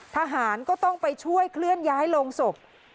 ทหารก็ต้องไปช่วยเคลื่อนย้ายโรงศพ